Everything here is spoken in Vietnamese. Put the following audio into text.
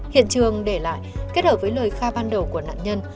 hiện trường để lại kết hợp với lời khai ban đầu của nạn nhân